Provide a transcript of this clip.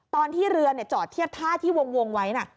ตอนที่เรือจอดเทียบท่าที่วงไว้นะ